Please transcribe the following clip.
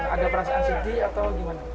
ada perasaan sedih atau gimana